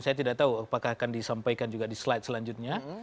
saya tidak tahu apakah akan disampaikan juga di slide selanjutnya